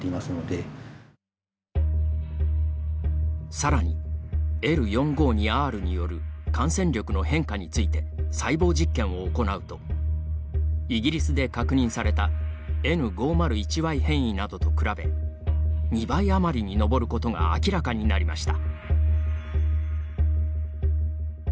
さらに、Ｌ４５２Ｒによる感染力の変化について細胞実験を行うとイギリスで確認されたＮ５０１Ｙ変異などと比べ２倍余りに上ることが明らかになりました。